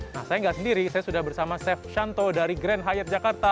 nah saya nggak sendiri saya sudah bersama chef shanto dari grand hyat jakarta